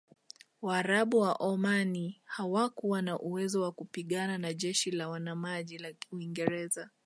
Waarabu wa Omani hawakuwa na uwezo wa kupingana na jeshi la wanamaji la Uingereza